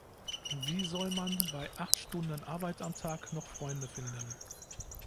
Wie soll man bei acht Stunden Arbeit am Tag noch Freunde finden?